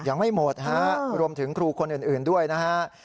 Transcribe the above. ยังไม่หมดฮะรวมถึงครูคนอื่นด้วยนะฮะ